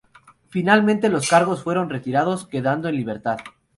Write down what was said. Finalmente los cargos fueron retirados, quedando en libertad.